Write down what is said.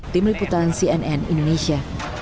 tim liputan cnn indonesia